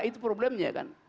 itu problemnya kan